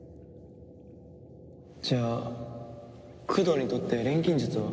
じゃあ九堂にとって錬金術は？